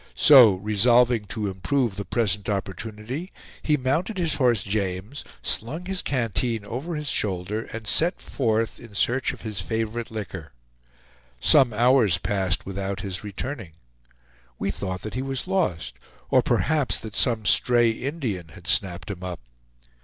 So, resolving to improve the present opportunity, he mounted his horse James, slung his canteen over his shoulder, and set forth in search of his favorite liquor. Some hours passed without his returning. We thought that he was lost, or perhaps that some stray Indian had snapped him up.